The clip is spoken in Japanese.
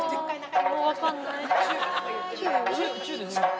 もう分かんない中？